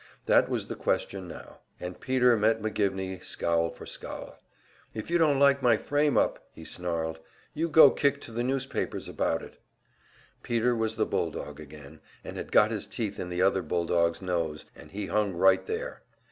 That was the question now; and Peter met McGivney scowl for scowl. "If you don't like my frame up," he snarled, "you go kick to the newspapers about it!" Peter was the bulldog again, and had got his teeth in the other bulldog's nose, and he hung right there.